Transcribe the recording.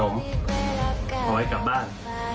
ออกไปกลับบ้าน